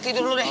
tidur dulu deh